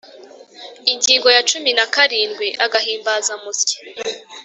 Ingingo ya cumi na karindwi: Agahimbazamusyi